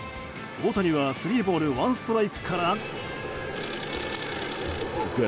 大谷はスリーボールワンストライクから。